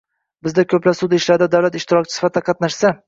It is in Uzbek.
Bizda ko‘plab sud ishlarida davlat ishtirokchi sifatida qatnashsa